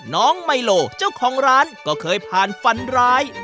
น้องไมโลเจ้าของร้านก็เคยผ่านฝันร้าย